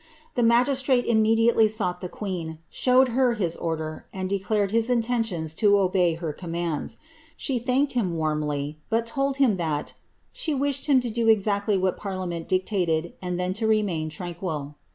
The magistrate immediately sought the queen, showed her his order, and declared his intentions to obey her commands. She thanked him warmly, but told him that ^ she wished him to do exactly what par liament dictated, and then to remain tranquil.'